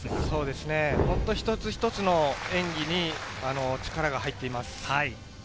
一つ一つの演技に力が入っています。